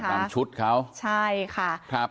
จำชุดเขาใช่ค่ะ